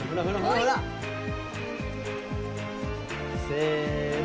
せの。